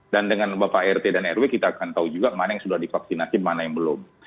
dan dengan bapak rt dan rw kita akan tahu juga mana yang sudah divaksinasi mana yang belum